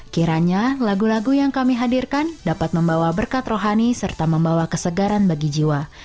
kiranya lagu lagu yang kami hadirkan dapat membawa berkat rohani serta membawa kesegaran bagi jiwa